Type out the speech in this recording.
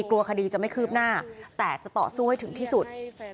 กลัวคดีจะไม่คืบหน้าแต่จะต่อสู้ให้ถึงที่สุด